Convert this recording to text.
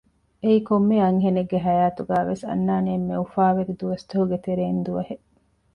އެއީ ކޮންމެ އަންހެނެއްގެ ހަޔާތުގައިވެސް އަންނާނެ އެންމެ އުފާވެރި ދުވަސްތަކުގެ ތެރެއިން ދުވަހެއް